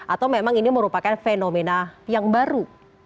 atau memang ini merupakan fenomena yang baru